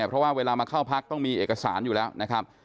เพราะว่าเวลามาเข้าพักต้องมีเอกสารอยู่แล้วนะครับ